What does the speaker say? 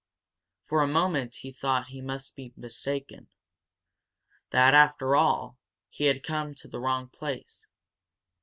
For a moment he thought he must be mistaken, that, after all, he had come to the wrong place.